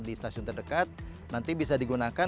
di stasiun terdekat nanti bisa digunakan